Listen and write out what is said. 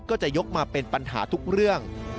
ก็จะยกมาเป็นปัญหาทุกเรื่อง